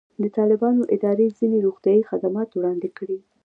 د طالبانو ادارې ځینې روغتیایي خدمات وړاندې کړي.